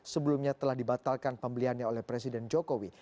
sebelumnya telah dibatalkan pembeliannya oleh presiden jokowi